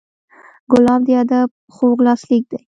ګلاب د ادب خوږ لاسلیک دی.